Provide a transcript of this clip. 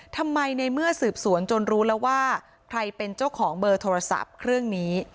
ทำไมในเมื่อสืบสวนจนรู้แล้วว่าใครเป็นเจ้าของเบอร์โทรศัพท์เครื่องนี้